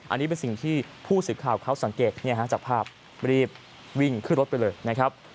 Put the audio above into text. อันนี้เป็นสิ่งที่ผู้สื่อข่าวเขาสังเกตจากภาพรีบวิ่งขึ้นรถไปเลยนะครับ